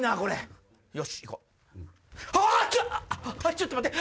ちょっと待って！